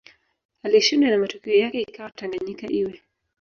alishindwa na matokeo yake ikawa Tanganyika iwe